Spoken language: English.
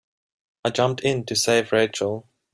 I jumped in to save Rachel.